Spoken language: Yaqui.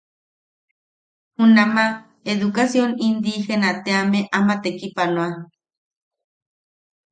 Junama Edukasion Indiigena team ama tekipanoa.